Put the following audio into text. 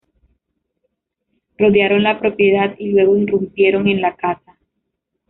Rodearon la propiedad y luego irrumpieron en la casa.